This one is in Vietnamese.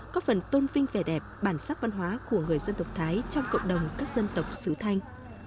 có phần tôn vinh vẻ đẹp bản sắc văn hóa của người dân tộc thái trong cộng đồng các dân tộc sứ thanh